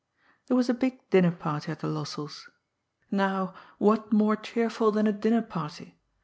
Thbbb was a big dinner party at the Lossells'. Now, what more cheerful than a dinner party?